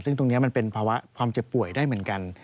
ซึ่งตรงนี้มันเป็นภาวะความเจ็บป่วยได้เหมือนกัน